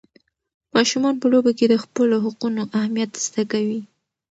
ماشومان په لوبو کې د خپلو حقونو اهمیت زده کوي.